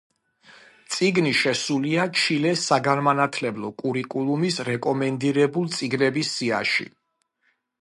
წიგნი შესული ჩილეს საგანმანათლებლო კურიკულუმის რეკომენდირებული წიგნების სიაში.